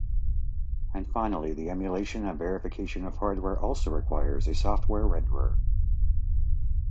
And finally the emulation and verification of hardware also requires a software renderer.